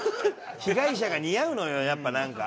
被害者が似合うのよやっぱなんか。